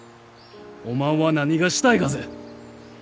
おまんは何がしたいがぜ？